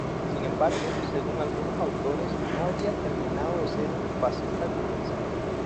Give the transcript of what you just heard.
Sin embargo según algunos autores no habría terminado de ser un fascista convencido.